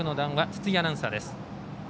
筒井アナウンサーです。